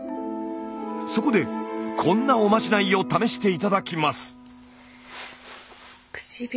そこでこんなおまじないを試して頂きます。